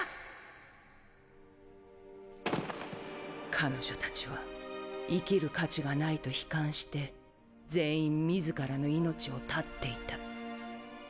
彼女たちは生きる価値がないと悲観して全員自らの命を絶っていた。